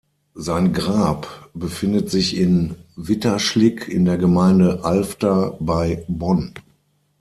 Sein Grab befindet sich in Witterschlick in der Gemeinde Alfter bei Bonn.